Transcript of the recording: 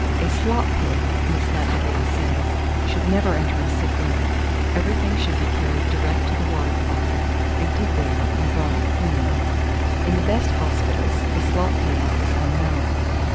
"A slop pail," Miss Nightingale says, "should never enter a sick room; everything should be carried direct to the water closet, emptied there, and brought up clean; in the best hospitals the slop pail is unknown."